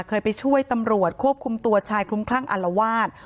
เคยไปช่วยตำรวจควบคุมตัวชายคลุ้มคลั่งอารวาส